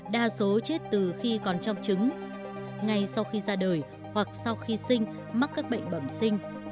đa số chết từ khi còn trong trứng ngay sau khi ra đời hoặc sau khi sinh mắc các bệnh bẩm sinh